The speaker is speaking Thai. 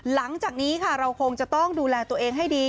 หลังจากนี้ค่ะเราคงจะต้องดูแลตัวเองให้ดี